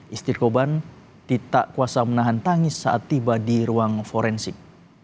istri korban di tak kuasa menahan tangis saat tiba di ruang forensik